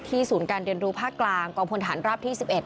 ศูนย์การเรียนรู้ภาคกลางกองพลฐานราบที่๑๑